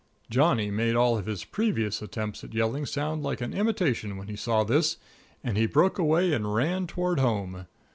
Johnny made all his previous attempts at yelling sound like an imitation when he saw this, and he broke away and ran toward home.